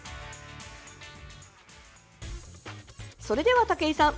それでは武井さん